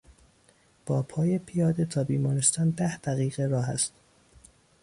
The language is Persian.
با پای پیاده تا بیمارستان ده دقیقه راه است.